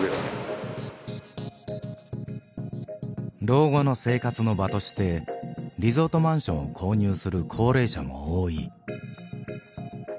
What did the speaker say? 老後の生活の場としてリゾートマンションを購入する高齢者も多い。